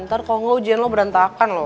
ntar kalau ujian lo berantakan loh